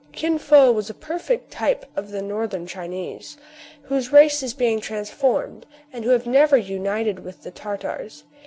K7N F0 AND THE PHILOSOPHER. IS Kin Fo was a perfect type of the northern Chi ' nese, whose race is being transformed, and who have never united with the Tartars.